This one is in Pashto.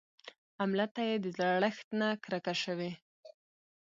املته يې د زړښت نه کرکه شوې.